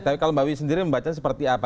tapi kalau mbak wi sendiri membaca seperti apa